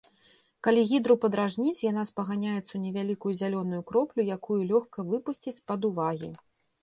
Калі гідру падражніць, яна спаганяецца ў невялікую зялёную кроплю, якую лёгка выпусціць з-пад увагі.